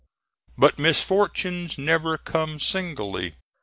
But misfortunes never come singly.